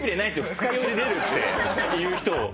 二日酔いで出るっていう人。